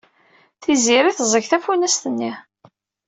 Tiziri teẓẓeg tafunast-nni.